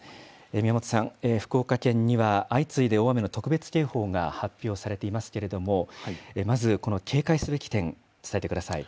宮本さん、福岡県には相次いで大雨の特別警報が発表されていますけれども、まず、この警戒すべき点、伝えてください。